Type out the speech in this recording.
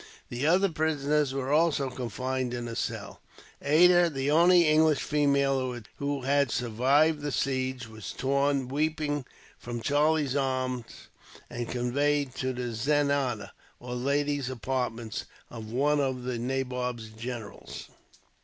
The other prisoners were also confined in a cell. Ada, the only English female who had survived the siege, was torn, weeping, from Charlie's arms, and conveyed to the zenana, or ladies' apartments, of one of the nabob's generals.